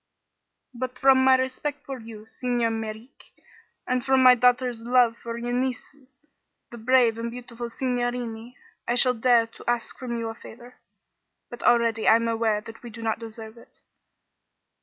"But from my respect for you, Signer Merreek, and from my daughter's love for your nieces the brave and beautiful signorini I shall dare to ask from you a favor. But already I am aware that we do not deserve it."